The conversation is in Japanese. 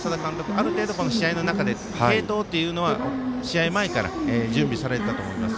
ある程度、試合の中で継投は試合前から準備されてたと思います。